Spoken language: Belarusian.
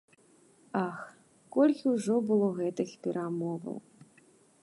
Ах, колькі ўжо было гэтых перамоваў!